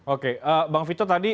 oke bang vito tadi